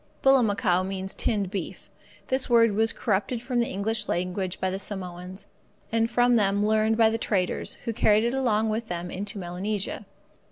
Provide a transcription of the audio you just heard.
Bullamacow means tinned beef. This word was corrupted from the English language by the Samoans, and from them learned by the traders, who carried it along with them into Melanesia.